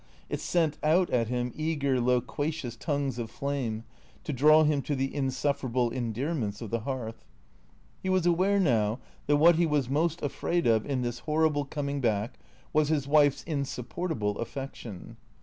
It sent out at him eager, loquacious tongues of flame, to draw him to the insufferable endearments of the hearth. He was aware now that what he was most afraid of in this horrible coming back was his wife's insupportable affection.